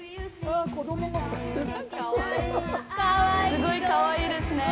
すごいかわいいですね。